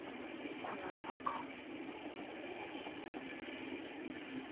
この違和感